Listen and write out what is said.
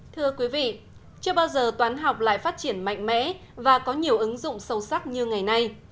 thưa quý vị chưa bao giờ toán học lại phát triển mạnh mẽ và có nhiều ứng dụng sâu sắc như ngày nay